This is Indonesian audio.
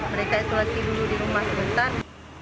mereka isolasi dulu di rumah sebentar